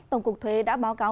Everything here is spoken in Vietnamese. tổng cục thuế đã báo cáo